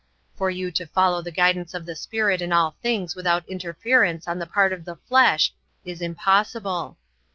For you to follow the guidance of the Spirit in all things without interference on the part of the flesh is impossible.